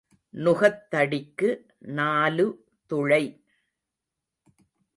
நுகத்தடிக்கு நாலு துளை.